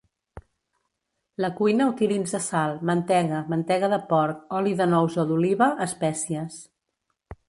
La cuina utilitza sal, mantega, mantega de porc, oli de nous o d'oliva, espècies.